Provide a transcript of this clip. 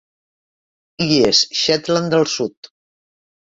Illes Shetland del Sud.